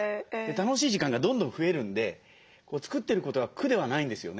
楽しい時間がどんどん増えるんで作ってることが苦ではないんですよね。